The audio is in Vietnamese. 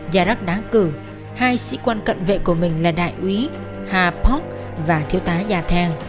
gia đúc đã cử hai sĩ quan cận vệ của mình là đại úy hà phong và thiếu tá gia thèm